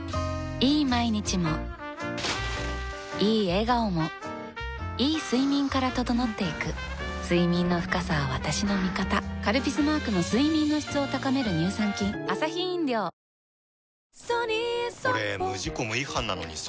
いい毎日もいい笑顔もいい睡眠から整っていく睡眠の深さは私の味方「カルピス」マークの睡眠の質を高める乳酸菌大豆麺ん？